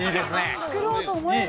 ◆作ろうと思えば。